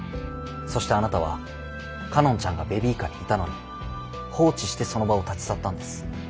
そしてあなたは佳音ちゃんがベビーカーにいたのに放置してその場を立ち去ったんです。